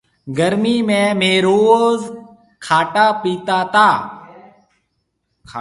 گرميِ ۾ ميه روز کاٽا پيتا تا۔